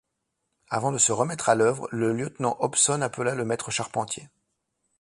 Avant de se remettre à l’œuvre, le lieutenant Hobson appela le maître charpentier.